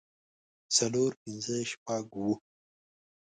څلور پنځۀ شپږ اووه